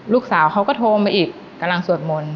ลูกสาวเขาก็โทรมาอีกกำลังสวดมนต์